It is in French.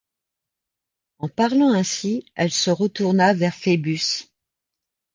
En parlant ainsi elle se retourna vers Phœbus.